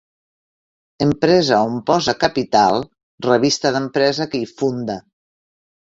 Empresa on posa capital, revista d'empresa que hi funda.